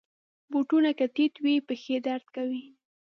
بوټونه که ټیټ وي، پښې درد کوي.